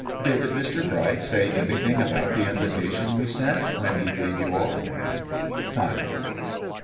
"Did Mr. Bright say anything about the invitation we sent, when he paid you off?" Silence.